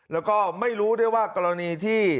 แล้วก็ไม่รู้ด้วยว่ากรณีที่